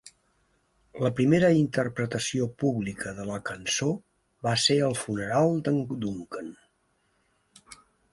La primera interpretació pública de la cançó va ser al funeral d'en Duncan.